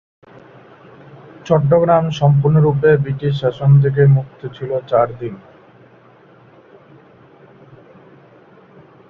চট্টগ্রাম সম্পূর্ণরূপে ব্রিটিশ শাসন থেকে মুক্ত ছিল চার দিন।